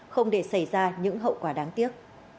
không để xảy ra những hậu quả đáng tiếc